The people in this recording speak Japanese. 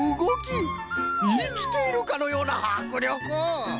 いきているかのようなはくりょく！